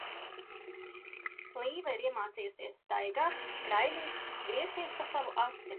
Līva ir iemācījusies staigāt, skraidīt, griezties pa savu asi.